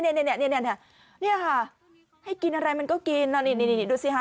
นี่ค่ะให้กินอะไรมันก็กินนี่ดูสิฮะ